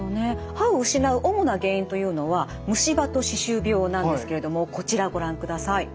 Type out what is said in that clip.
歯を失う主な原因というのは虫歯と歯周病なんですけれどもこちらご覧ください。